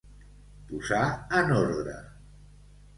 Posar en ordre.